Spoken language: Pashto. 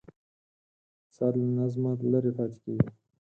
اقتصاد له نظمه لرې پاتې کېږي.